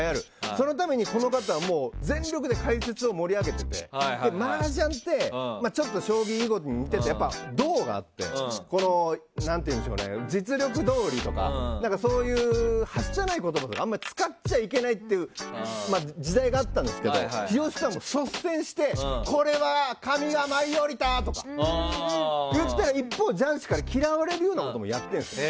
そのために、この方は全力で解説を盛り上げててマージャンってちょっと将棋、囲碁に似てて道があって、実力どおりとかはしたない言葉とかあんま使っちゃいけないっていう時代があったんですけど日吉さんは率先してこれは神が舞い降りたとか言ったら、一方雀士から嫌われるようなことやってんですよ。